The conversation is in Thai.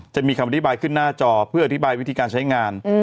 จะมีคำอธิบายขึ้นหน้าจอเพื่ออธิบายวิธีการใช้งาน